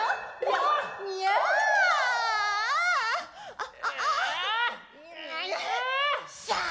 あっ！